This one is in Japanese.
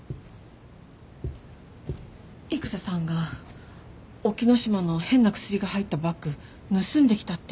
育田さんが沖野島の変なクスリが入ったバッグ盗んできたって。